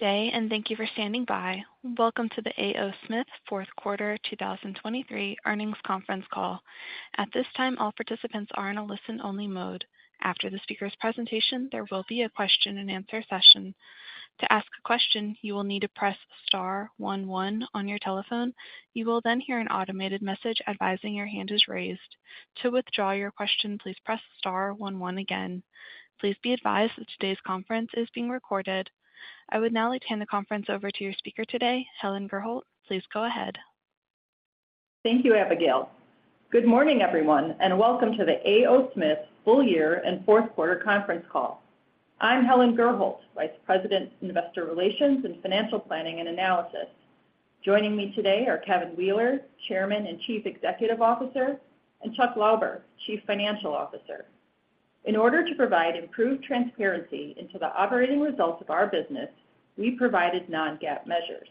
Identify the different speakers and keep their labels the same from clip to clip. Speaker 1: Day, and thank you for standing by. Welcome to the A. O. Smith Fourth Quarter 2023 Earnings Conference Call. At this time, all participants are in a listen-only mode. After the speaker's presentation, there will be a question-and-answer session. To ask a question, you will need to press star one one on your telephone. You will then hear an automated message advising your hand is raised. To withdraw your question, please press star one one again. Please be advised that today's conference is being recorded. I would now like to hand the conference over to your speaker today, Helen Gurholt. Please go ahead.
Speaker 2: Thank you, Abigail. Good morning, everyone, and welcome to the A. O. Smith Full Year and Fourth Quarter Conference Call. I'm Helen Gurholt, Vice President, Investor Relations and Financial Planning and Analysis. Joining me today are Kevin Wheeler, Chairman and Chief Executive Officer, and Chuck Lauber, Chief Financial Officer. In order to provide improved transparency into the operating results of our business, we provided non-GAAP measures.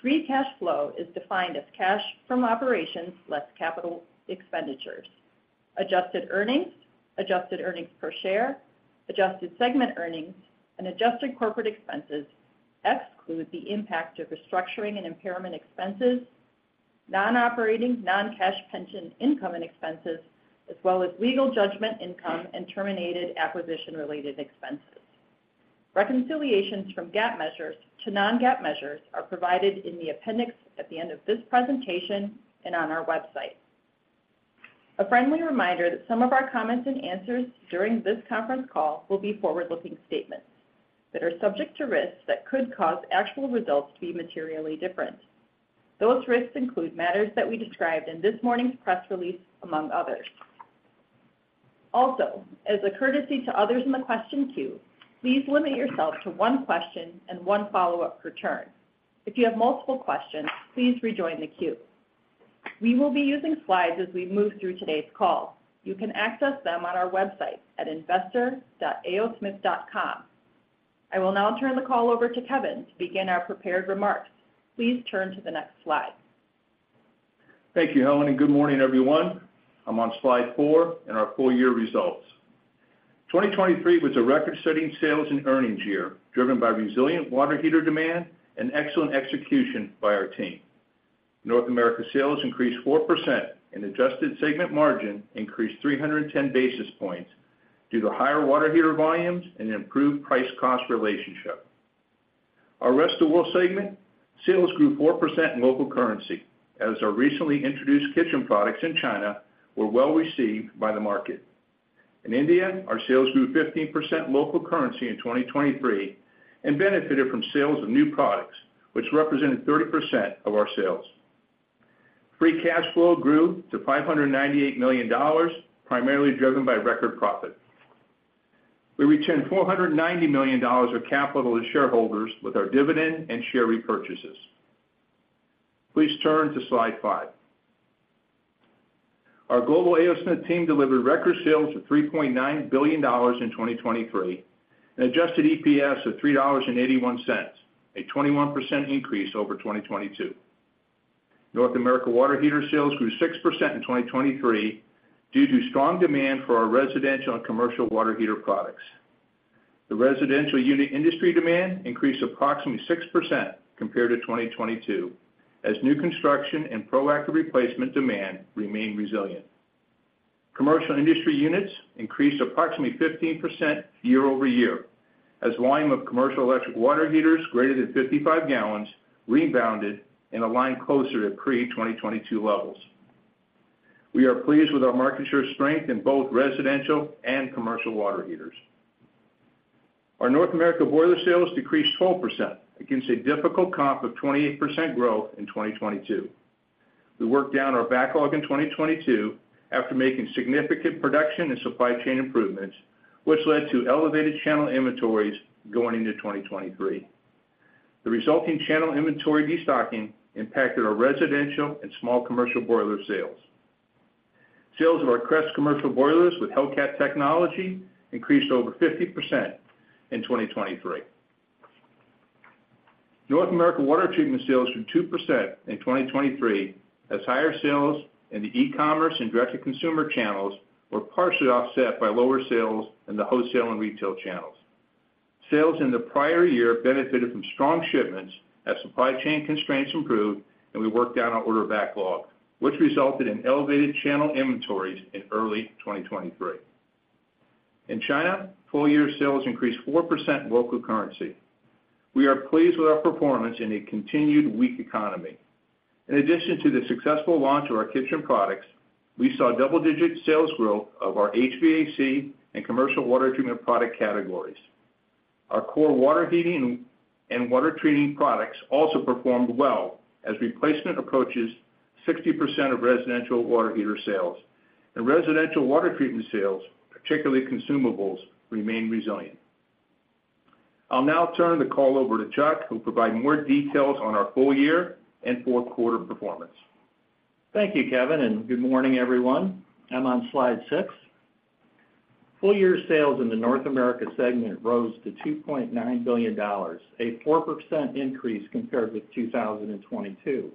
Speaker 2: Free cash flow is defined as cash from operations, less capital expenditures. Adjusted earnings, adjusted earnings per share, adjusted segment earnings, and adjusted corporate expenses exclude the impact of restructuring and impairment expenses, non-operating non-cash pension income and expenses, as well as legal judgment income and terminated acquisition-related expenses. Reconciliations from GAAP measures to non-GAAP measures are provided in the appendix at the end of this presentation and on our website. A friendly reminder that some of our comments and answers during this conference call will be forward-looking statements that are subject to risks that could cause actual results to be materially different. Those risks include matters that we described in this morning's press release, among others. Also, as a courtesy to others in the question queue, please limit yourself to one question and one follow-up per turn. If you have multiple questions, please rejoin the queue. We will be using slides as we move through today's call. You can access them on our website at investor.aosmith.com. I will now turn the call over to Kevin to begin our prepared remarks. Please turn to the next slide.
Speaker 3: Thank you, Helen, and good morning, everyone. I'm on slide four in our full year results. 2023 was a record-setting sales and earnings year, driven by resilient water heater demand and excellent execution by our team. North America sales increased 4% and adjusted segment margin increased 310 basis points due to higher water heater volumes and improved price-cost relationship. Our Rest of World segment, sales grew 4% in local currency, as our recently introduced kitchen products in China were well received by the market. In India, our sales grew 15% local currency in 2023 and benefited from sales of new products, which represented 30% of our sales. Free cash flow grew to $598 million, primarily driven by record profit. We returned $490 million of capital to shareholders with our dividend and share repurchases. Please turn to slide 5. Our global A. O. Smith team delivered record sales of $3.9 billion in 2023, and Adjusted EPS of $3.81, a 21% increase over 2022. North America water heater sales grew 6% in 2023 due to strong demand for our residential and commercial water heater products. The residential unit industry demand increased approximately 6% compared to 2022, as new construction and proactive replacement demand remained resilient. Commercial industry units increased approximately 15% year-over-year, as volume of commercial electric water heaters greater than 55 gallons rebounded and aligned closer to pre-2022 levels. We are pleased with our market share strength in both residential and commercial water heaters. Our North America boiler sales decreased 12% against a difficult comp of 28% growth in 2022. We worked down our backlog in 2022 after making significant production and supply chain improvements, which led to elevated channel inventories going into 2023. The resulting channel inventory destocking impacted our residential and small commercial boiler sales. Sales of our CREST commercial boilers with Hellcat technology increased over 50% in 2023. North America water treatment sales grew 2% in 2023, as higher sales in the e-commerce and direct-to-consumer channels were partially offset by lower sales in the wholesale and retail channels. Sales in the prior year benefited from strong shipments as supply chain constraints improved, and we worked down our order backlog, which resulted in elevated channel inventories in early 2023. In China, full-year sales increased 4% in local currency. We are pleased with our performance in a continued weak economy. In addition to the successful launch of our kitchen products, we saw double-digit sales growth of our HVAC and commercial water treatment product categories. Our core water heating and water treating products also performed well. As replacement approaches 60% of residential water heater sales, and residential water treatment sales, particularly consumables, remain resilient. I'll now turn the call over to Chuck, who'll provide more details on our full year and fourth quarter performance.
Speaker 4: Thank you, Kevin, and good morning, everyone. I'm on slide six. Full year sales in the North America segment rose to $2.9 billion, a 4% increase compared with 2022.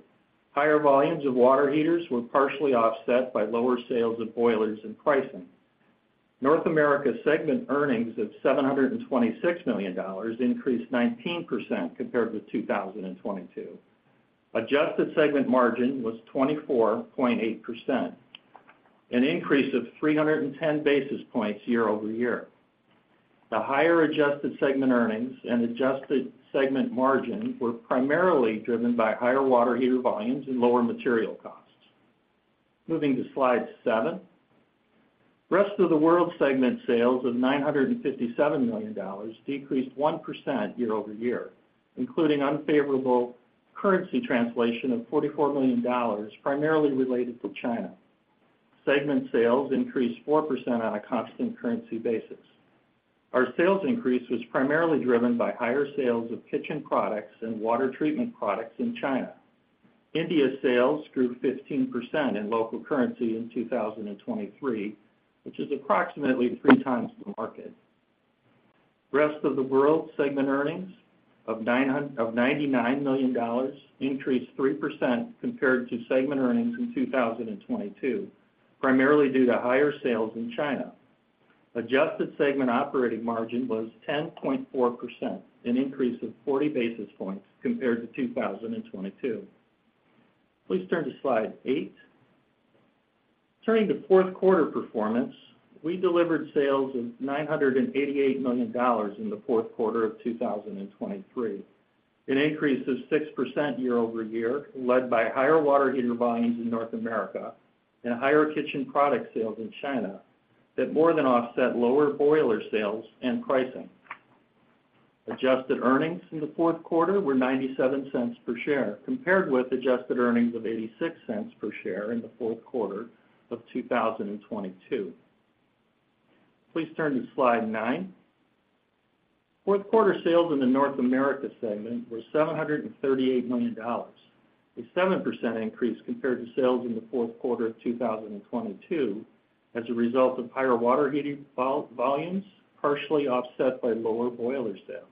Speaker 4: Higher volumes of water heaters were partially offset by lower sales of boilers and pricing. North America segment earnings of $726 million increased 19% compared to 2022. Adjusted segment margin was 24.8%, an increase of 310 basis points year-over-year. The higher adjusted segment earnings and adjusted segment margin were primarily driven by higher water heater volumes and lower material costs. Moving to Slide 7. Rest of the World segment sales of $957 million decreased 1% year-over-year, including unfavorable currency translation of $44 million, primarily related to China. Segment sales increased 4% on a constant currency basis. Our sales increase was primarily driven by higher sales of kitchen products and water treatment products in China. India sales grew 15% in local currency in 2023, which is approximately 3 times the market. Rest of the World segment earnings of $99 million increased 3% compared to segment earnings in 2022, primarily due to higher sales in China. Adjusted segment operating margin was 10.4%, an increase of 40 basis points compared to 2022. Please turn to Slide 8. Turning to fourth quarter performance, we delivered sales of $988 million in the fourth quarter of 2023, an increase of 6% year-over-year, led by higher water heater volumes in North America and higher kitchen product sales in China, that more than offset lower boiler sales and pricing. Adjusted earnings in the fourth quarter were $0.97 per share, compared with adjusted earnings of $0.86 per share in the fourth quarter of 2022. Please turn to Slide 9. Fourth quarter sales in the North America segment were $738 million, a 7% increase compared to sales in the fourth quarter of 2022, as a result of higher water heating volumes, partially offset by lower boiler sales.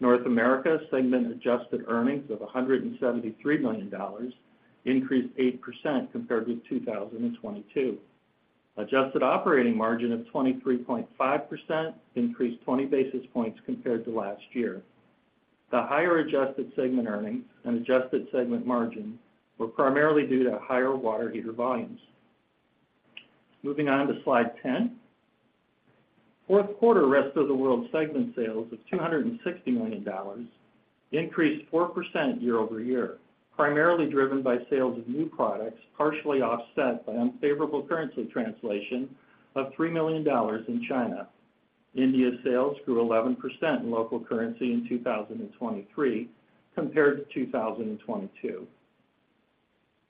Speaker 4: North America segment adjusted earnings of $173 million increased 8% compared with 2022. Adjusted operating margin of 23.5% increased 20 basis points compared to last year. The higher adjusted segment earnings and adjusted segment margin were primarily due to higher water heater volumes. Moving on to Slide 10. Fourth quarter Rest of the World segment sales of $260 million increased 4% year-over-year, primarily driven by sales of new products, partially offset by unfavorable currency translation of $3 million in China. India sales grew 11% in local currency in 2023 compared to 2022.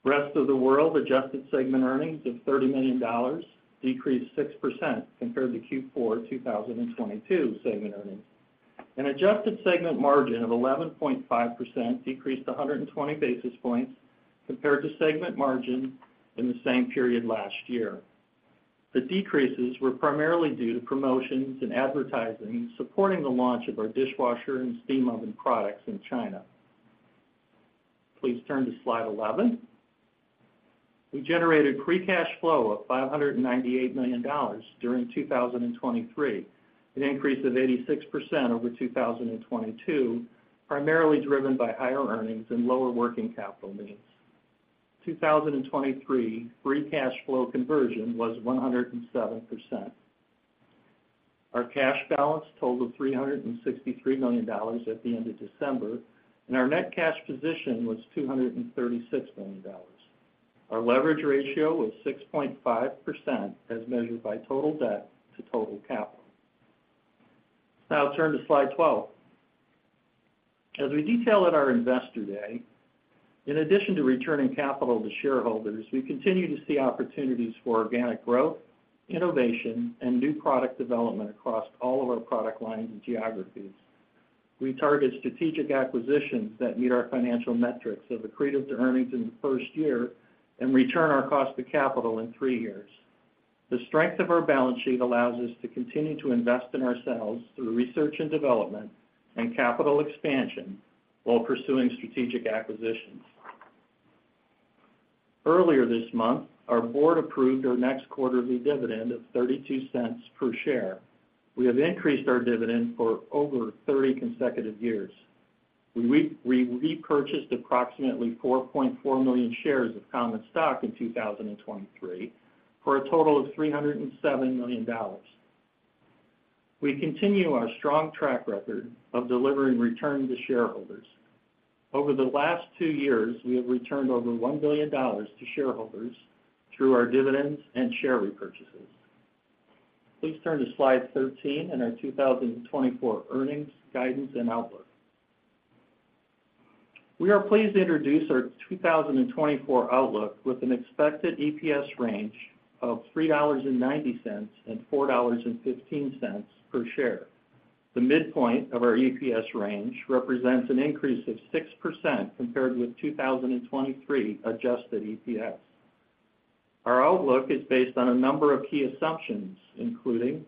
Speaker 4: Rest of the World adjusted segment earnings of $30 million decreased 6% compared to Q4 2022 segment earnings. An adjusted segment margin of 11.5% decreased 120 basis points compared to segment margin in the same period last year. The decreases were primarily due to promotions and advertising, supporting the launch of our dishwasher and steam oven products in China. Please turn to Slide 11. We generated free cash flow of $598 million during 2023, an increase of 86% over 2022, primarily driven by higher earnings and lower working capital needs. 2023 free cash flow conversion was 107%. Our cash balance totaled $363 million at the end of December, and our net cash position was $236 million. Our leverage ratio was 6.5% as measured by total debt to total capital. Now turn to Slide 12. As we detailed at our Investor Day, in addition to returning capital to shareholders, we continue to see opportunities for organic growth, innovation, and new product development across all of our product lines and geographies. We target strategic acquisitions that meet our financial metrics of accretive to earnings in the first year and return our cost of capital in 3 years. The strength of our balance sheet allows us to continue to invest in ourselves through research and development and capital expansion while pursuing strategic acquisitions. Earlier this month, our board approved our next quarterly dividend of $0.32 per share. We have increased our dividend for over 30 consecutive years. We repurchased approximately 4.4 million shares of common stock in 2023, for a total of $307 million. We continue our strong track record of delivering return to shareholders. Over the last two years, we have returned over $1 billion to shareholders through our dividends and share repurchases. Please turn to Slide 13 and our 2024 earnings guidance and outlook. We are pleased to introduce our 2024 outlook with an expected EPS range of $3.90-$4.15 per share. The midpoint of our EPS range represents an increase of 6% compared with 2023 Adjusted EPS. Our outlook is based on a number of key assumptions, including:...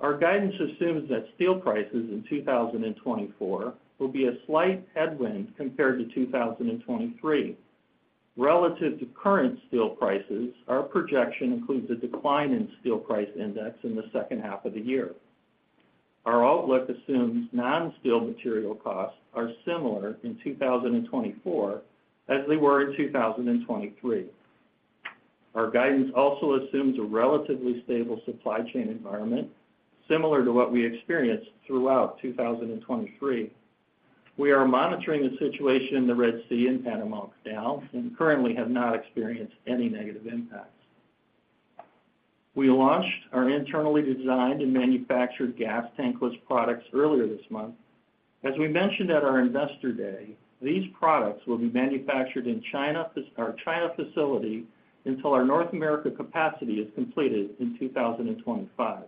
Speaker 4: Our guidance assumes that steel prices in 2024 will be a slight headwind compared to 2023. Relative to current steel prices, our projection includes a decline in steel price index in the second half of the year. Our outlook assumes non-steel material costs are similar in 2024 as they were in 2023. Our guidance also assumes a relatively stable supply chain environment, similar to what we experienced throughout 2023. We are monitoring the situation in the Red Sea and Panama Canal and currently have not experienced any negative impacts. We launched our internally designed and manufactured gas tankless products earlier this month. As we mentioned at our Investor Day, these products will be manufactured in China, our China facility, until our North America capacity is completed in 2025.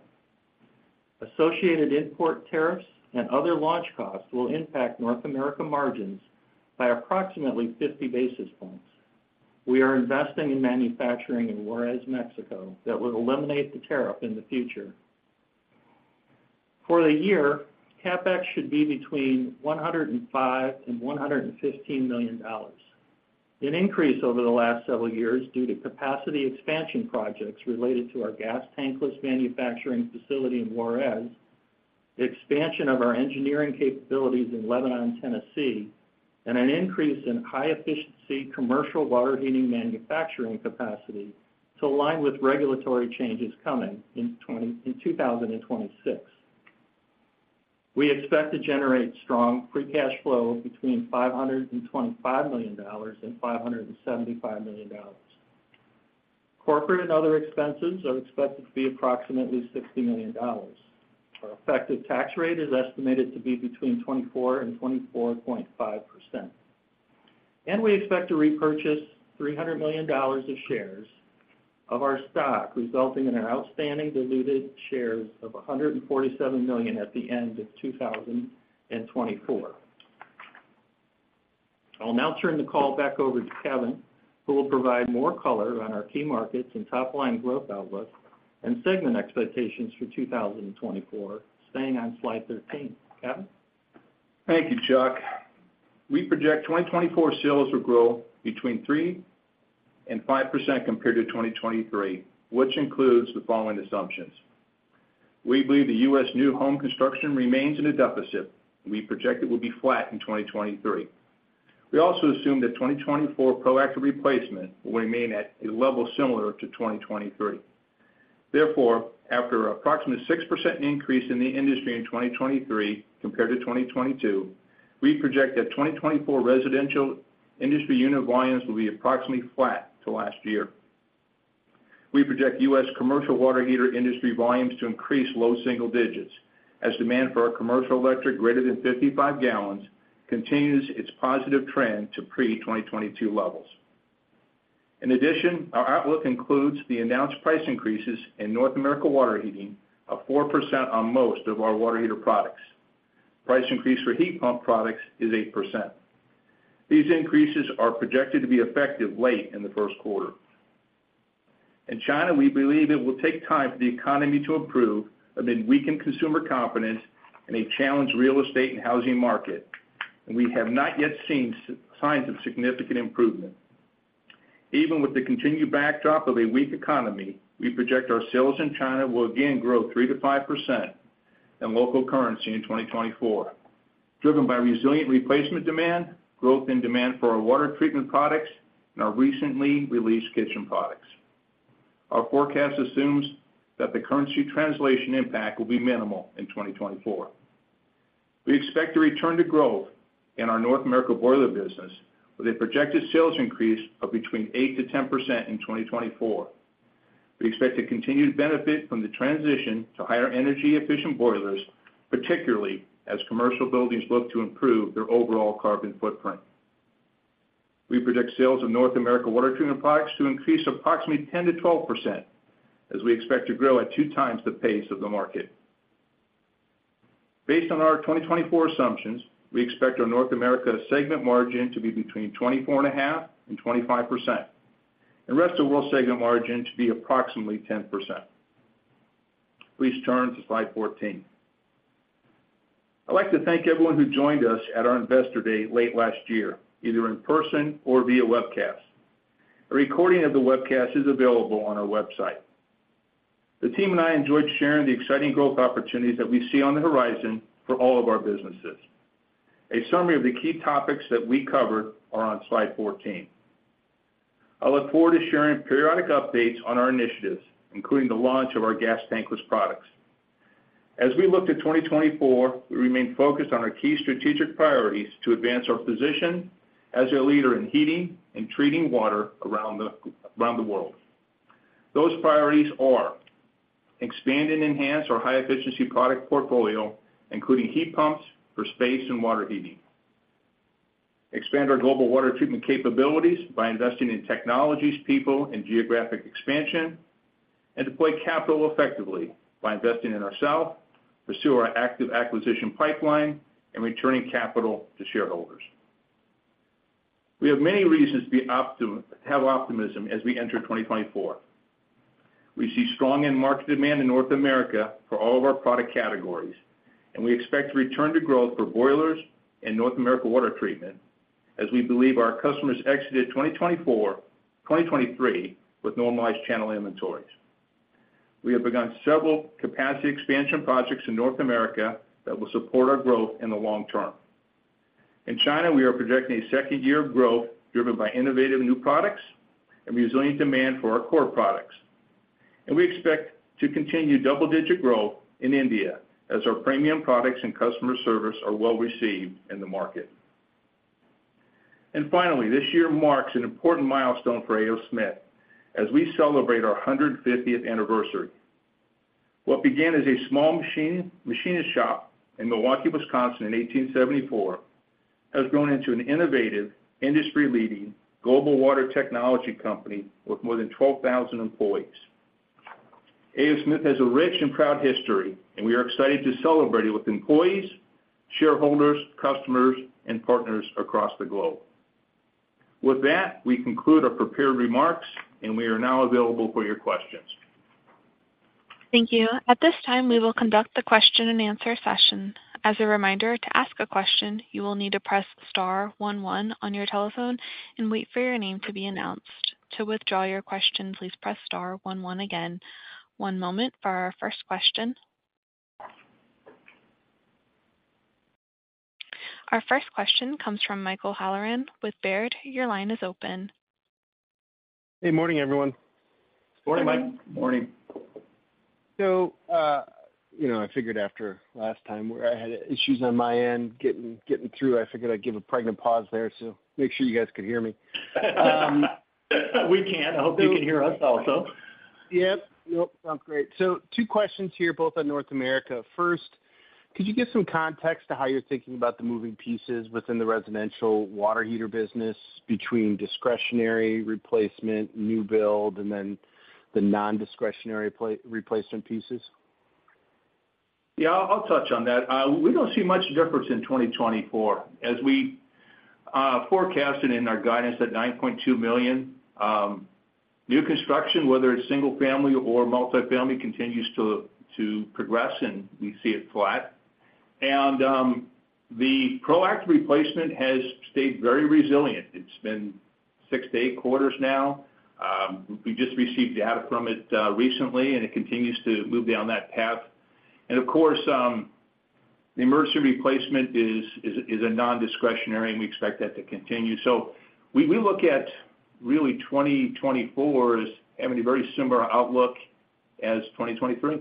Speaker 4: Associated import tariffs and other launch costs will impact North America margins by approximately 50 basis points. We are investing in manufacturing in Juárez, Mexico, that will eliminate the tariff in the future. For the year, CapEx should be between $105 million and $115 million, an increase over the last several years due to capacity expansion projects related to our gas tankless manufacturing facility in Juárez, the expansion of our engineering capabilities in Lebanon, Tennessee, and an increase in high-efficiency commercial water heating manufacturing capacity to align with regulatory changes coming in 2026. We expect to generate strong free cash flow between $525 million and $575 million. Corporate and other expenses are expected to be approximately $60 million. Our effective tax rate is estimated to be between 24% and 24.5%. We expect to repurchase $300 million of shares of our stock, resulting in our outstanding diluted shares of 147 million at the end of 2024. I'll now turn the call back over to Kevin, who will provide more color on our key markets and top-line growth outlook and segment expectations for 2024, staying on slide 13. Kevin?
Speaker 3: Thank you, Chuck. We project 2024 sales will grow between 3% and 5% compared to 2023, which includes the following assumptions. We believe the U.S. new home construction remains in a deficit, and we project it will be flat in 2023. We also assume that 2024 proactive replacement will remain at a level similar to 2023. Therefore, after an approximate 6% increase in the industry in 2023 compared to 2022, we project that 2024 residential industry unit volumes will be approximately flat to last year. We project U.S. commercial water heater industry volumes to increase low single digits, as demand for our commercial electric greater than 55 gallons continues its positive trend to pre-2022 levels. In addition, our outlook includes the announced price increases in North America water heating of 4% on most of our water heater products. Price increase for heat pump products is 8%. These increases are projected to be effective late in the first quarter. In China, we believe it will take time for the economy to improve amid weakened consumer confidence and a challenged real estate and housing market, and we have not yet seen signs of significant improvement. Even with the continued backdrop of a weak economy, we project our sales in China will again grow 3%-5% in local currency in 2024, driven by resilient replacement demand, growth in demand for our water treatment products, and our recently released kitchen products. Our forecast assumes that the currency translation impact will be minimal in 2024. We expect to return to growth in our North America boiler business, with a projected sales increase of between 8%-10% in 2024. We expect to continue to benefit from the transition to higher energy-efficient boilers, particularly as commercial buildings look to improve their overall carbon footprint. We predict sales of North America water treatment products to increase approximately 10%-12%, as we expect to grow at 2 times the pace of the market. Based on our 2024 assumptions, we expect our North America segment margin to be between 24.5% and 25%, and Rest of World segment margin to be approximately 10%. Please turn to slide 14. I'd like to thank everyone who joined us at our Investor Day late last year, either in person or via webcast. A recording of the webcast is available on our website. The team and I enjoyed sharing the exciting growth opportunities that we see on the horizon for all of our businesses. A summary of the key topics that we covered are on slide 14. I look forward to sharing periodic updates on our initiatives, including the launch of our gas tankless products. As we look to 2024, we remain focused on our key strategic priorities to advance our position as a leader in heating and treating water around the, around the world. Those priorities are: expand and enhance our high-efficiency product portfolio, including heat pumps for space and water heating. Expand our global water treatment capabilities by investing in technologies, people, and geographic expansion. And deploy capital effectively by investing in ourselves, pursue our active acquisition pipeline, and returning capital to shareholders. We have many reasons to be optimism as we enter 2024. We see strong end market demand in North America for all of our product categories, and we expect to return to growth for boilers and North America water treatment, as we believe our customers exited 2023 with normalized channel inventories. We have begun several capacity expansion projects in North America that will support our growth in the long term. In China, we are projecting a second year of growth, driven by innovative new products and resilient demand for our core products. We expect to continue double-digit growth in India as our premium products and customer service are well received in the market. Finally, this year marks an important milestone for A. O. Smith as we celebrate our 150th anniversary. What began as a small machinist shop in Milwaukee, Wisconsin, in 1874, has grown into an innovative, industry-leading, global water technology company with more than 12,000 employees. A. O. Smith has a rich and proud history, and we are excited to celebrate it with employees, shareholders, customers, and partners across the globe. With that, we conclude our prepared remarks, and we are now available for your questions.
Speaker 1: Thank you. At this time, we will conduct the question-and-answer session. As a reminder, to ask a question, you will need to press star one one on your telephone and wait for your name to be announced. To withdraw your question, please press star one one again. One moment for our first question. Our first question comes from Michael Halloran with Baird. Your line is open.
Speaker 5: Hey, morning, everyone.
Speaker 3: Morning, Mike.
Speaker 4: Morning.
Speaker 5: So, you know, I figured after last time where I had issues on my end getting through, I figured I'd give a pregnant pause there to make sure you guys could hear me.
Speaker 4: We can. I hope you can hear us also.
Speaker 5: Yep. Yep. Sounds great. So two questions here, both on North America. First, could you give some context to how you're thinking about the moving pieces within the residential water heater business between discretionary replacement, new build, and then the nondiscretionary replacement pieces?
Speaker 3: Yeah, I'll touch on that. We don't see much difference in 2024. As we forecasted in our guidance at $9.2 million, new construction, whether it's single family or multifamily, continues to progress, and we see it flat. And the proactive replacement has stayed very resilient. It's been 6-8 quarters now. We just received data from it recently, and it continues to move down that path. And of course, the emergency replacement is a nondiscretionary, and we expect that to continue. So we look at really 2024 as having a very similar outlook as 2023.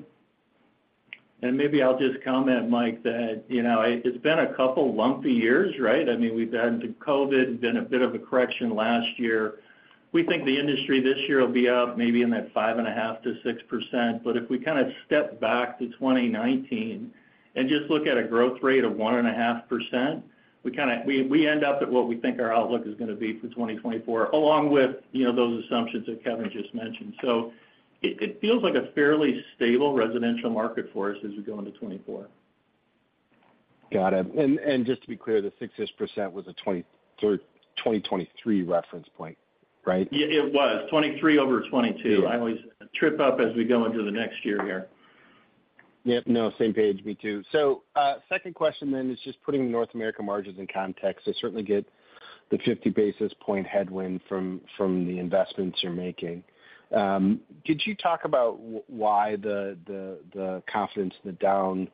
Speaker 4: Maybe I'll just comment, Mike, that, you know, it, it's been a couple lumpy years, right? I mean, we've had COVID, been a bit of a correction last year. We think the industry this year will be up maybe in that 5.5%-6%. But if we kind of step back to 2019 and just look at a growth rate of 1.5%, we kind of - we, we end up at what we think our outlook is going to be for 2024, along with, you know, those assumptions that Kevin just mentioned. So it, it feels like a fairly stable residential market for us as we go into 2024.
Speaker 5: Got it. And just to be clear, the 6-ish% was a 2023 reference point, right?
Speaker 4: Yeah, it was 2023 over 2022. I always trip up as we go into the next year here.
Speaker 5: Yep. No, same page, me too. So, second question then is just putting the North America margins in context. I certainly get the 50 basis point headwind from the investments you're making. Could you talk about why the confidence in the down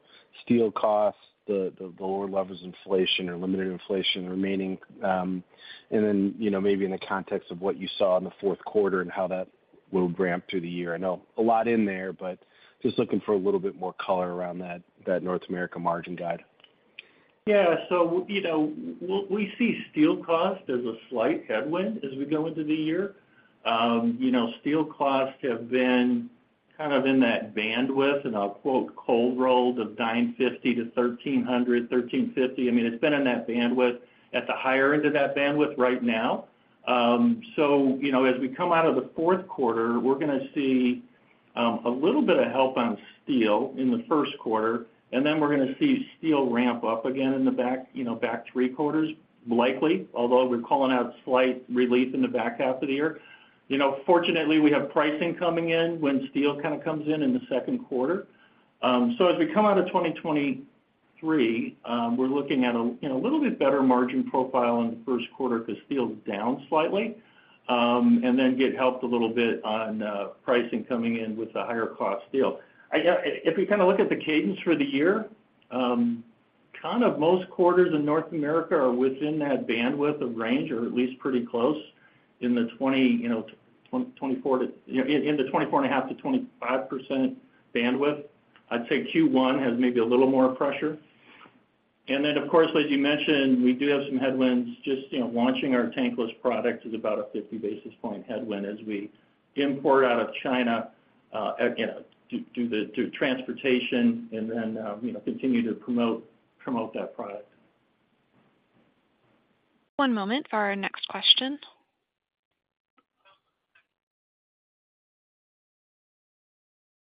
Speaker 5: steel costs, the lower levels of inflation or limited inflation remaining, and then, you know, maybe in the context of what you saw in the fourth quarter and how that will ramp through the year? I know a lot in there, but just looking for a little bit more color around that North America margin guide.
Speaker 4: Yeah. So, you know, we see steel cost as a slight headwind as we go into the year. You know, steel costs have been kind of in that bandwidth, and I'll quote, cold rolled of $950-$1,350. I mean, it's been in that bandwidth, at the higher end of that bandwidth right now. So you know, as we come out of the fourth quarter, we're going to see a little bit of help on steel in the first quarter, and then we're going to see steel ramp up again in the back, you know, back three quarters, likely, although we're calling out slight relief in the back half of the year. You know, fortunately, we have pricing coming in when steel kind of comes in in the second quarter. So as we come out of 2023, we're looking at a, you know, a little bit better margin profile in the first quarter because steel is down slightly, and then get helped a little bit on pricing coming in with the higher cost steel. If we kind of look at the cadence for the year, kind of most quarters in North America are within that bandwidth of range, or at least pretty close in the twenty-four to, you know, in the twenty-four and a half to twenty-five percent bandwidth. I'd say Q1 has maybe a little more pressure. Then, of course, as you mentioned, we do have some headwinds. Just, you know, launching our tankless product is about a 50 basis point headwind as we import out of China, through transportation and then, you know, continue to promote that product. One moment for our next question.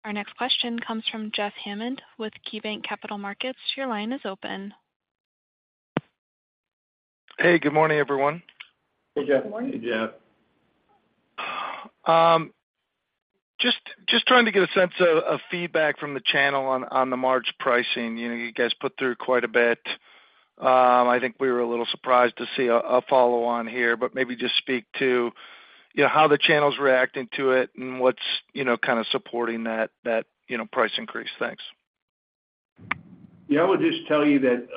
Speaker 1: Our next question comes from Jeff Hammond with KeyBanc Capital Markets. Your line is open.
Speaker 6: Hey, good morning, everyone.
Speaker 3: Hey, Jeff.
Speaker 7: Good morning, Jeff.
Speaker 6: Just trying to get a sense of feedback from the channel on the March pricing. You know, you guys put through quite a bit. I think we were a little surprised to see a follow-on here, but maybe just speak to, you know, how the channel's reacting to it and what's, you know, kind of supporting that price increase. Thanks.
Speaker 3: Yeah, I would just tell you that,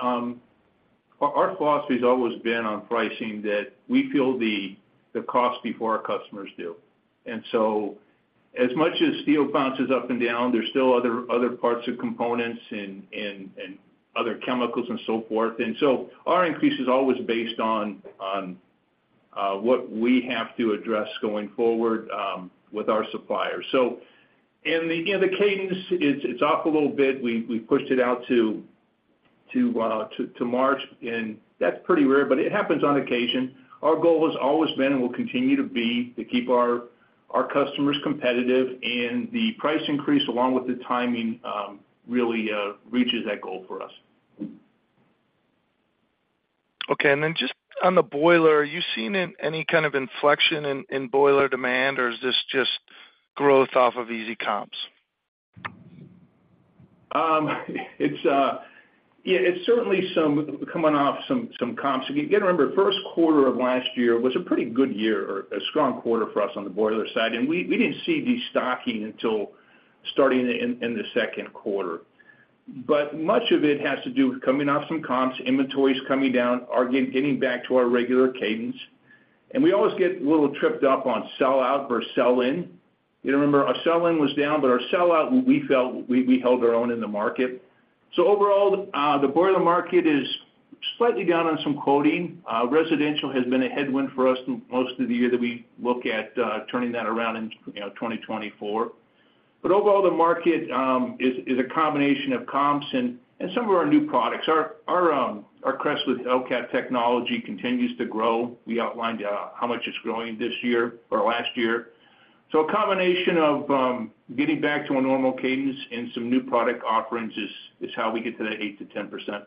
Speaker 3: our philosophy has always been on pricing, that we feel the cost before our customers do. And so as much as steel bounces up and down, there's still other parts of components and other chemicals and so forth. And so our increase is always based on what we have to address going forward with our suppliers. So, and again, the cadence is. It's off a little bit. We pushed it out to March, and that's pretty rare, but it happens on occasion. Our goal has always been, and will continue to be, to keep our customers competitive, and the price increase, along with the timing, really reaches that goal for us.
Speaker 6: Okay. Then just on the boiler, are you seeing any kind of inflection in boiler demand, or is this just growth off of easy comps?
Speaker 3: Yeah, it's certainly some coming off some comps. You gotta remember, first quarter of last year was a pretty good year or a strong quarter for us on the boiler side, and we didn't see destocking until starting in the second quarter. But much of it has to do with coming off some comps, inventories coming down, our getting back to our regular cadence. And we always get a little tripped up on sell out versus sell in. You remember, our sell in was down, but our sell out, we felt we held our own in the market. So overall, the boiler market is slightly down on some quoting. Residential has been a headwind for us through most of the year that we look at turning that around in, you know, 2024. But overall, the market is a combination of comps and some of our new products. Our CREST with Hellcat technology continues to grow. We outlined how much it's growing this year or last year. So a combination of getting back to a normal cadence and some new product offerings is how we get to that 8%-10%.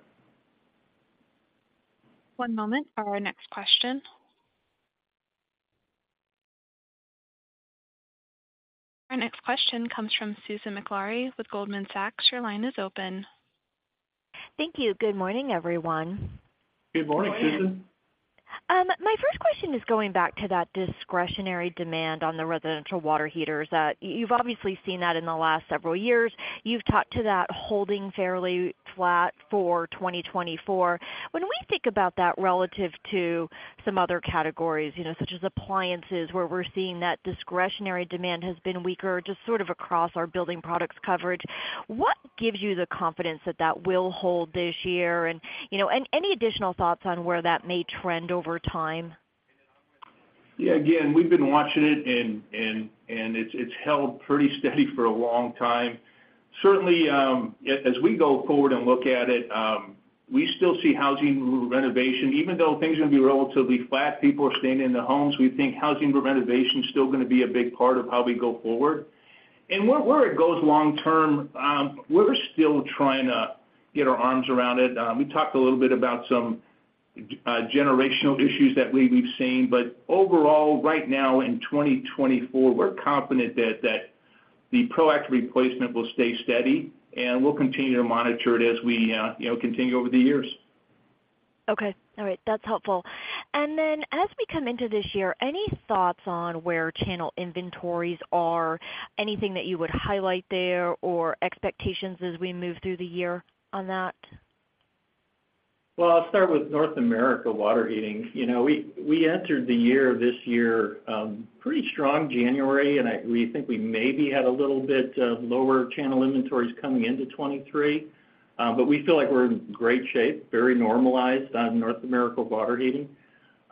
Speaker 1: One moment for our next question. Our next question comes from Susan Maklari with Goldman Sachs. Your line is open.
Speaker 7: Thank you. Good morning, everyone.
Speaker 3: Good morning, Susan.
Speaker 7: My first question is going back to that discretionary demand on the residential water heaters. You've obviously seen that in the last several years. You've talked to that holding fairly flat for 2024. When we think about that relative to some other categories, you know, such as appliances, where we're seeing that discretionary demand has been weaker, just sort of across our building products coverage, what gives you the confidence that that will hold this year? And, you know, any additional thoughts on where that may trend over time?
Speaker 3: Yeah, again, we've been watching it, and it's held pretty steady for a long time. Certainly, as we go forward and look at it, we still see housing renovation. Even though things are going to be relatively flat, people are staying in their homes. We think housing renovation is still gonna be a big part of how we go forward. And where it goes long term, we're still trying to get our arms around it. We talked a little bit about some generational issues that we've seen, but overall, right now, in 2024, we're confident that the proactive replacement will stay steady, and we'll continue to monitor it as we, you know, continue over the years.
Speaker 7: Okay, all right. That's helpful. And then as we come into this year, any thoughts on where channel inventories are? Anything that you would highlight there or expectations as we move through the year on that?
Speaker 3: Well, I'll start with North America water heating. You know, we entered the year this year, pretty strong January, and we think we maybe had a little bit of lower channel inventories coming into 2023. But we feel like we're in great shape, very normalized on North America water heating.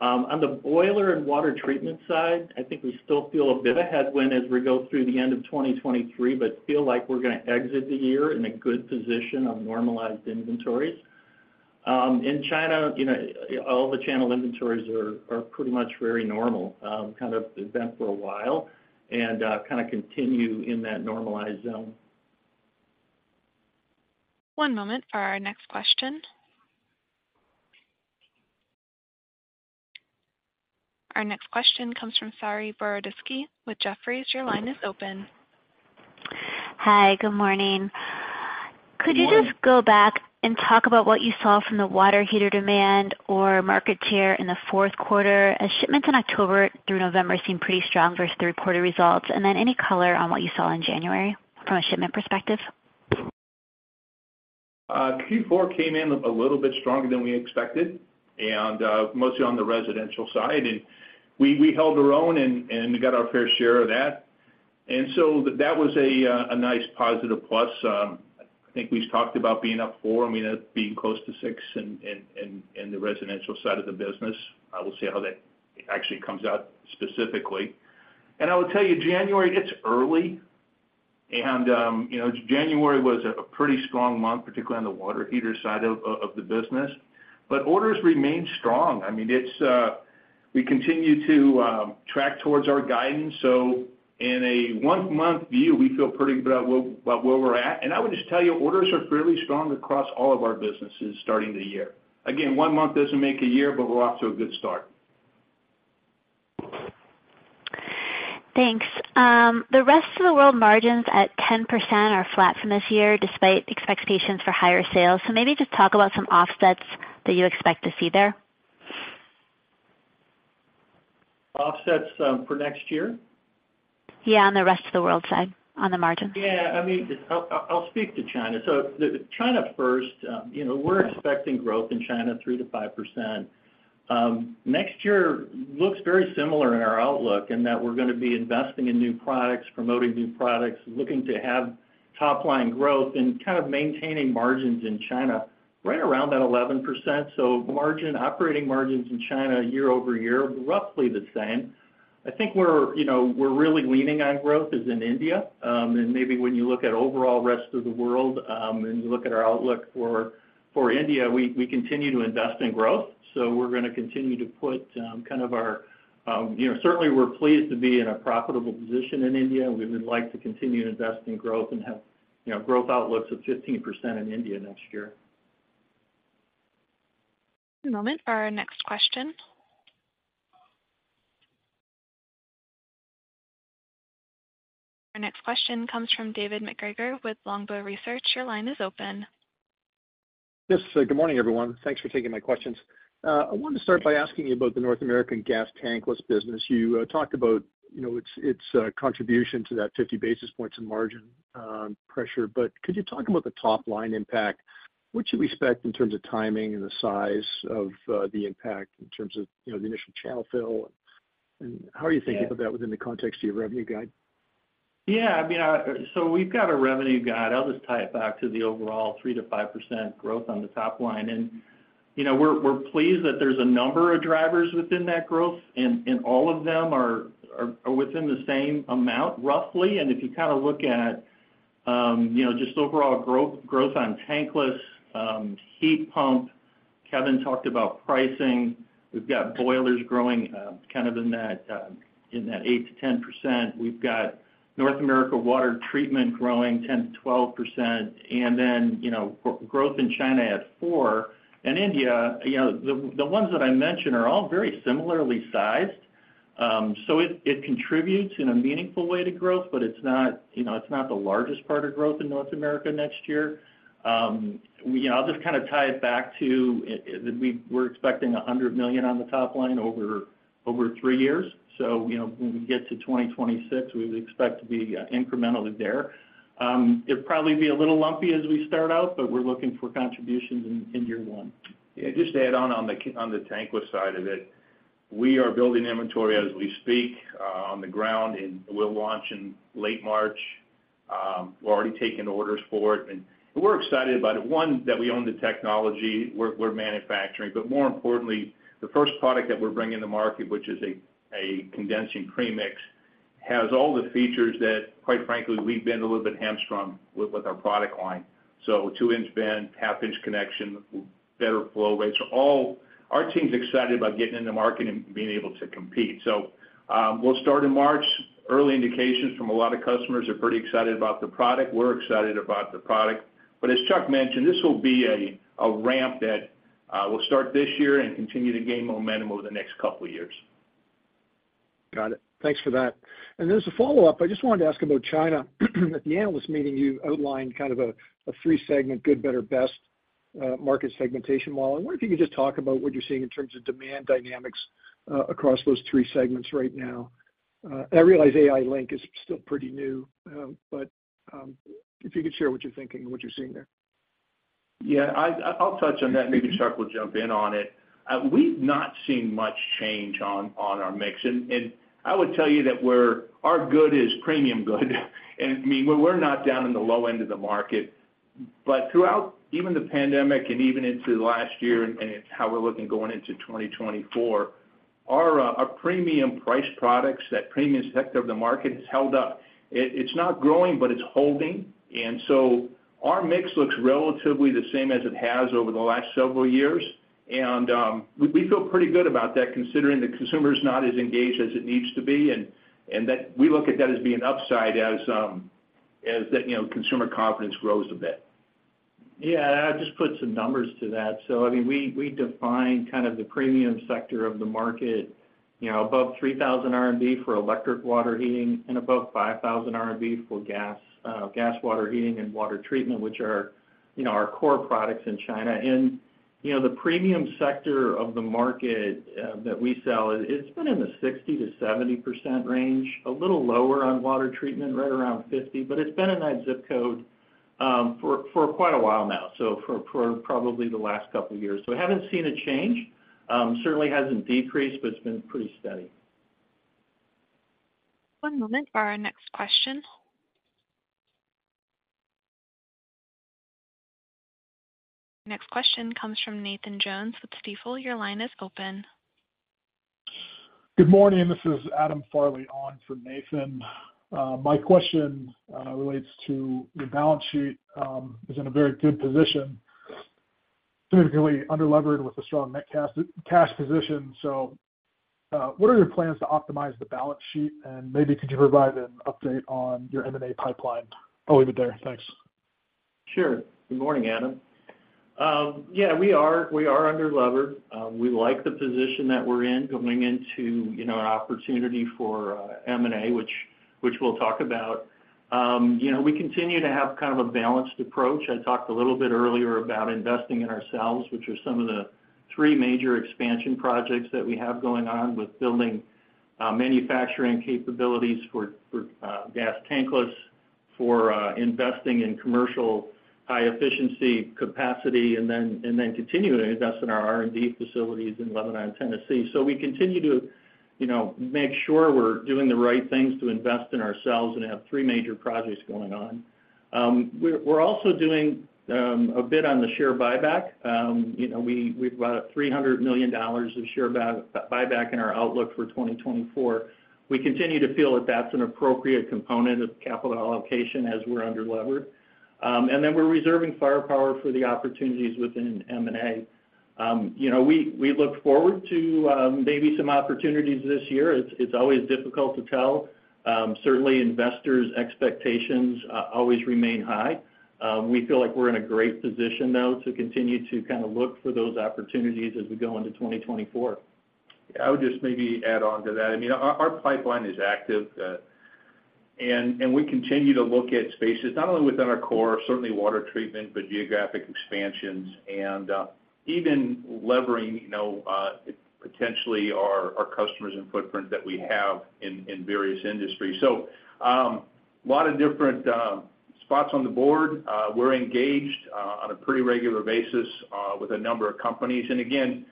Speaker 3: On the boiler and water treatment side, I think we still feel a bit of headwind as we go through the end of 2023, but feel like we're going to exit the year in a good position on normalized inventories. In China, you know, all the channel inventories are pretty much very normal, kind of have been for a while, and kind of continue in that normalized zone.
Speaker 1: One moment for our next question. Our next question comes from Saree Boroditsky with Jefferies. Your line is open.
Speaker 8: Hi, good morning.
Speaker 3: Good morning.
Speaker 8: Could you just go back and talk about what you saw from the water heater demand or market share in the fourth quarter, as shipments in October through November seemed pretty strong versus the reported results? And then any color on what you saw in January from a shipment perspective?
Speaker 3: Q4 came in a little bit stronger than we expected, and mostly on the residential side. We held our own and got our fair share of that. So that was a nice positive plus. I think we've talked about being up 4, I mean, that being close to 6 in the residential side of the business. I will see how that actually comes out specifically. I will tell you, January, it's early and you know, January was a pretty strong month, particularly on the water heater side of the business. But orders remain strong. I mean, it's...
Speaker 4: We continue to track towards our guidance. So in a one-month view, we feel pretty good about where we're at. And I would just tell you, orders are fairly strong across all of our businesses starting the year. Again, one month doesn't make a year, but we're off to a good start.
Speaker 8: Thanks. The Rest of the World margins at 10% are flat from this year, despite expectations for higher sales. So maybe just talk about some offsets that you expect to see there?
Speaker 4: Offsets, for next year?
Speaker 8: Yeah, on the Rest of the World side, on the margins.
Speaker 4: Yeah, I mean, I'll, I'll speak to China. So China first, you know, we're expecting growth in China, 3%-5%. Next year looks very similar in our outlook, in that we're gonna be investing in new products, promoting new products, looking to have top line growth and kind of maintaining margins in China right around that 11%. So margin, operating margins in China year-over-year, roughly the same. I think we're, you know, we're really leaning on growth is in India. And maybe when you look at overall Rest of the World, and you look at our outlook for, for India, we, we continue to invest in growth. So we're gonna continue to put, kind of our... You know, certainly, we're pleased to be in a profitable position in India. We would like to continue to invest in growth and have, you know, growth outlooks of 15% in India next year.
Speaker 1: One moment for our next question. Our next question comes from David MacGregor with Longbow Research. Your line is open.
Speaker 9: Yes, good morning, everyone. Thanks for taking my questions. I wanted to start by asking you about the North American gas tankless business. You talked about, you know, its contribution to that 50 basis points and margin pressure. But could you talk about the top line impact? What do you expect in terms of timing and the size of the impact, in terms of, you know, the initial channel fill, and how are you thinking about that within the context of your revenue guide?
Speaker 4: Yeah, I mean, so we've got a revenue guide. I'll just tie it back to the overall 3%-5% growth on the top line. And, you know, we're pleased that there's a number of drivers within that growth, and all of them are within the same amount, roughly. And if you kind of look at, you know, just overall growth, growth on tankless, heat pump, Kevin talked about pricing. We've got boilers growing, kind of in that 8%-10%. We've got North America water treatment growing 10%-12%, and then, you know, growth in China at 4%. And India, you know, the ones that I mentioned are all very similarly sized, so it contributes in a meaningful way to growth, but it's not, you know, it's not the largest part of growth in North America next year. We'll just kind of tie it back to that we're expecting $100 million on the top line over three years. So, you know, when we get to 2026, we would expect to be incrementally there. It'd probably be a little lumpy as we start out, but we're looking for contributions in year one.
Speaker 3: Yeah, just to add on, on the tankless side of it, we are building inventory as we speak, on the ground, and we'll launch in late March. We're already taking orders for it, and we're excited about it. One, that we own the technology, we're manufacturing, but more importantly, the first product that we're bringing to market, which is a condensing premix, has all the features that, quite frankly, we've been a little bit hamstrung with our product line. So two-inch vent, half-inch connection, better flow rates, all. Our team's excited about getting into market and being able to compete. So, we'll start in March. Early indications from a lot of customers are pretty excited about the product. We're excited about the product. But as Chuck mentioned, this will be a ramp that will start this year and continue to gain momentum over the next couple of years.
Speaker 9: Got it. Thanks for that. And as a follow-up, I just wanted to ask about China. At the analyst meeting, you outlined kind of a three-segment, good, better, best market segmentation model. I wonder if you could just talk about what you're seeing in terms of demand dynamics across those three segments right now. I realize AI-Link is still pretty new, but if you could share what you're thinking and what you're seeing there.
Speaker 3: Yeah, I'd-- I'll touch on that, maybe Chuck will jump in on it. We've not seen much change on our mix. And I would tell you that we're our good is premium good. And I mean, we're not down in the low end of the market, but throughout even the pandemic and even into last year and how we're looking going into 2024, our premium priced products, that premium sector of the market, has held up. It's not growing, but it's holding. And so our mix looks relatively the same as it has over the last several years. And we feel pretty good about that, considering the consumer is not as engaged as it needs to be, and that we look at that as being upside as the you know, consumer confidence grows a bit.
Speaker 4: Yeah, I'll just put some numbers to that. So I mean, we define kind of the premium sector of the market, you know, above 3,000 RMB for electric water heating and above 5,000 RMB for gas, gas water heating and water treatment, which are, you know, our core products in China. And, you know, the premium sector of the market, that we sell, it's been in the 60%-70% range, a little lower on water treatment, right around 50%, but it's been in that ZIP code, for quite a while now, so for probably the last couple of years. So I haven't seen a change. Certainly hasn't decreased, but it's been pretty steady.
Speaker 1: One moment for our next question. Our next question comes from Nathan Jones with Stifel. Your line is open.
Speaker 10: Good morning, this is Adam Farley on for Nathan. My question relates to your balance sheet, is in a very good position, significantly under-levered with a strong net cash position. So, what are your plans to optimize the balance sheet? And maybe could you provide an update on your M&A pipeline? I'll leave it there. Thanks.
Speaker 4: Sure. Good morning, Adam. Yeah, we are under-levered. We like the position that we're in going into, you know, an opportunity for M&A, which we'll talk about. You know, we continue to have kind of a balanced approach. I talked a little bit earlier about investing in ourselves, which are some of the three major expansion projects that we have going on with building manufacturing capabilities for gas tankless, for investing in commercial high efficiency capacity, and then continuing to invest in our R&D facilities in Lebanon, Tennessee. So we continue to, you know, make sure we're doing the right things to invest in ourselves and have three major projects going on. We're also doing a bit on the share buyback. You know, we've got $300 million of share buyback in our outlook for 2024. We continue to feel that that's an appropriate component of capital allocation as we're under-levered. And then we're reserving firepower for the opportunities within M&A. You know, we look forward to maybe some opportunities this year. It's always difficult to tell. Certainly investors' expectations always remain high. We feel like we're in a great position, though, to continue to kind of look for those opportunities as we go into 2024.
Speaker 3: Yeah, I would just maybe add on to that. I mean, our pipeline is active, and we continue to look at spaces, not only within our core, certainly water treatment, but geographic expansions and even levering, you know, potentially our customers and footprint that we have in various industries. So, a lot of different spots on the board. We're engaged on a pretty regular basis with a number of companies. And again,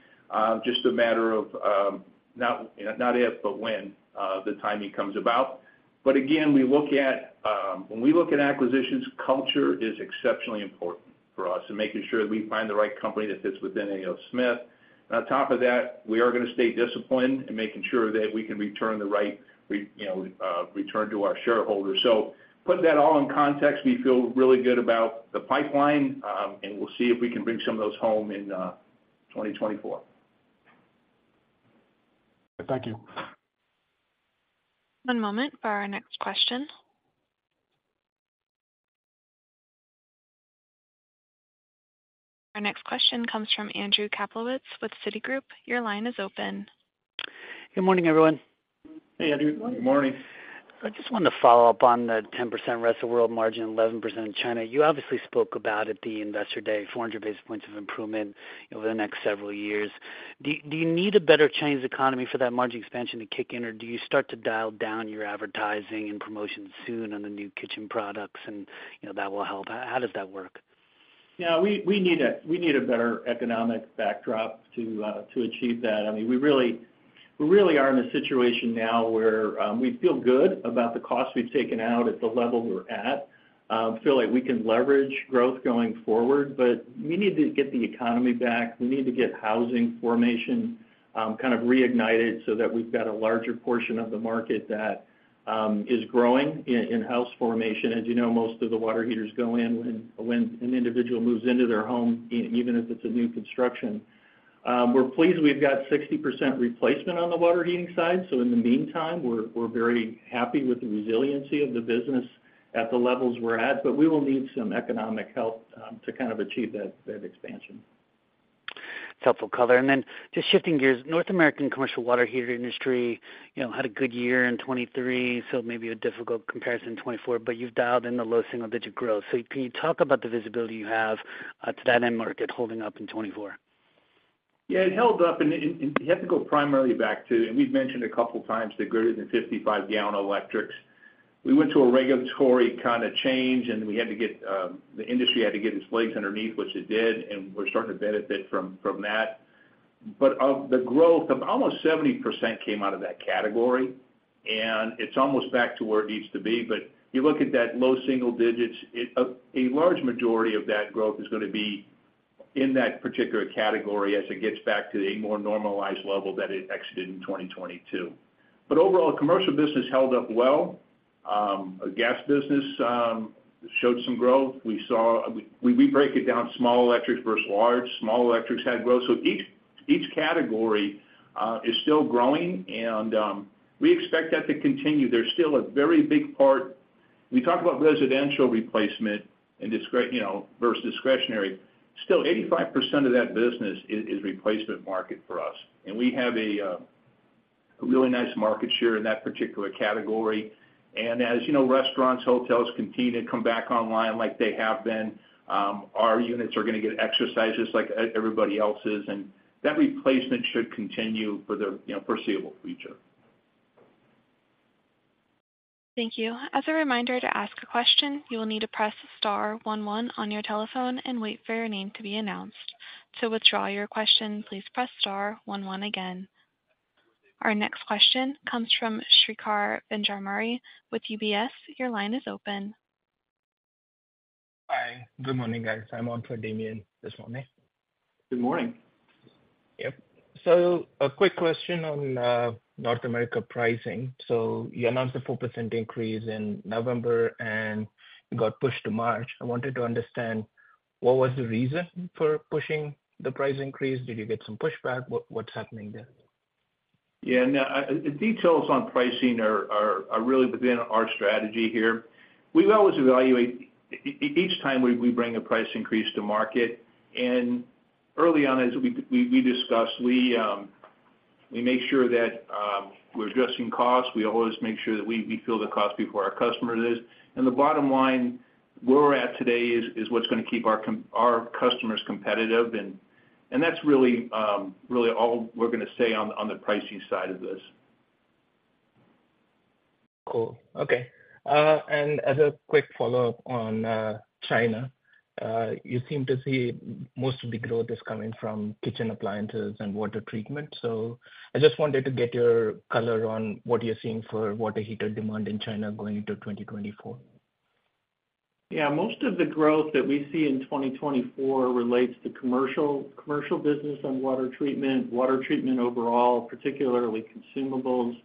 Speaker 3: just a matter of, not if, but when the timing comes about. But again, when we look at acquisitions, culture is exceptionally important for us and making sure that we find the right company that fits within A. O. Smith. And on top of that, we are gonna stay disciplined in making sure that we can return the right, you know, return to our shareholders. So putting that all in context, we feel really good about the pipeline, and we'll see if we can bring some of those home in 2024.
Speaker 10: Thank you.
Speaker 1: One moment for our next question. Our next question comes from Andrew Kaplowitz with Citigroup. Your line is open.
Speaker 11: Good morning, everyone.
Speaker 3: Hey, Andrew.
Speaker 4: Good morning.
Speaker 11: I just wanted to follow up on the 10% Rest of World margin, 11% in China. You obviously spoke about at the Investor Day, 400 basis points of improvement over the next several years. Do you need a better Chinese economy for that margin expansion to kick in, or do you start to dial down your advertising and promotions soon on the new kitchen products, and, you know, that will help? How does that work?
Speaker 4: Yeah, we need a better economic backdrop to achieve that. I mean, we really are in a situation now where we feel good about the costs we've taken out at the level we're at. Feel like we can leverage growth going forward, but we need to get the economy back. We need to get housing formation kind of reignited so that we've got a larger portion of the market that is growing in house formation. As you know, most of the water heaters go in when an individual moves into their home, even if it's a new construction. We're pleased we've got 60% replacement on the water heating side, so in the meantime, we're, we're very happy with the resiliency of the business at the levels we're at, but we will need some economic help to kind of achieve that, that expansion.
Speaker 11: It's helpful color. Then just shifting gears. North American commercial water heater industry, you know, had a good year in 2023, so it may be a difficult comparison in 2024, but you've dialed in the low single-digit growth. So can you talk about the visibility you have to that end market holding up in 2024?
Speaker 3: Yeah, it held up, and you have to go primarily back to, and we've mentioned a couple times, the greater than 55-gallon electrics. We went to a regulatory kind of change, and we had to get, the industry had to get its legs underneath, which it did, and we're starting to benefit from that. But of the growth of almost 70% came out of that category, and it's almost back to where it needs to be. But you look at that low single digits, it, a large majority of that growth is gonna be in that particular category as it gets back to a more normalized level that it exited in 2022. But overall, commercial business held up well. Gas business showed some growth. We break it down, small electrics versus large. Small electrics had growth. So each category is still growing, and we expect that to continue. There's still a very big part... We talk about residential replacement and discretionary you know, versus discretionary. Still, 85% of that business is replacement market for us, and we have a really nice market share in that particular category. And as you know, restaurants, hotels continue to come back online like they have been, our units are gonna get exercises like everybody else's, and that replacement should continue for the you know, foreseeable future.
Speaker 1: Thank you. As a reminder, to ask a question, you will need to press star one one on your telephone and wait for your name to be announced. To withdraw your question, please press star one one again. Our next question comes from Shrikanth Venjaramuri with UBS. Your line is open.
Speaker 12: Good morning, guys. I'm on for Damian this morning.
Speaker 4: Good morning.
Speaker 12: Yep. So a quick question on North America pricing. So you announced a 4% increase in November and got pushed to March. I wanted to understand, what was the reason for pushing the price increase? Did you get some pushback? What, what's happening there?
Speaker 4: Yeah, no, the details on pricing are really within our strategy here. We always evaluate each time we bring a price increase to market, and early on, as we discussed, we make sure that we're adjusting costs. We always make sure that we feel the cost before our customer does. And the bottom line, where we're at today is what's gonna keep our customers competitive, and that's really all we're gonna say on the pricing side of this.
Speaker 12: Cool. Okay. And as a quick follow-up on China, you seem to see most of the growth is coming from kitchen appliances and water treatment. So I just wanted to get your color on what you're seeing for water heater demand in China going into 2024.
Speaker 4: Yeah, most of the growth that we see in 2024 relates to commercial, commercial business on water treatment, water treatment overall, particularly consumables.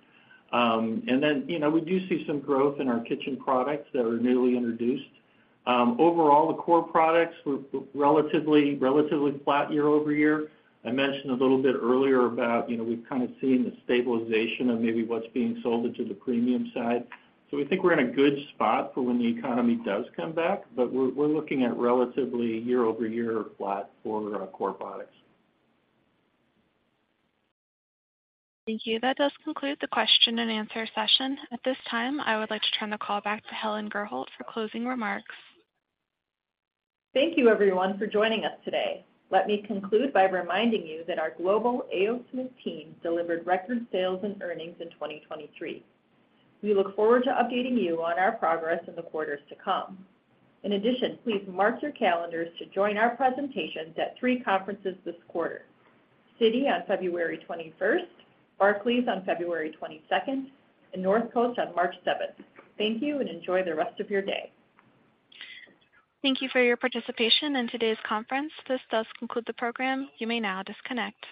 Speaker 4: And then, you know, we do see some growth in our kitchen products that are newly introduced. Overall, the core products were relatively, relatively flat year-over-year. I mentioned a little bit earlier about, you know, we've kind of seen the stabilization of maybe what's being sold into the premium side. So we think we're in a good spot for when the economy does come back, but we're, we're looking at relatively year-over-year flat for our core products.
Speaker 1: Thank you. That does conclude the question and answer session. At this time, I would like to turn the call back to Helen Gurholt for closing remarks.
Speaker 2: Thank you everyone for joining us today. Let me conclude by reminding you that our global A. O. Smith team delivered record sales and earnings in 2023. We look forward to updating you on our progress in the quarters to come. In addition, please mark your calendars to join our presentations at three conferences this quarter: Citi on February 21st, Barclays on February 22nd, and Northcoast on March 7th. Thank you, and enjoy the rest of your day.
Speaker 1: Thank you for your participation in today's conference. This does conclude the program. You may now disconnect.